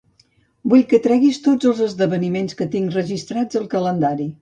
Vull que treguis tots els esdeveniments que tinc registrats al calendari.